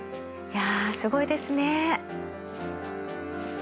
いやすごいですね。